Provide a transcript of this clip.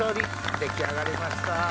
出来上がりました。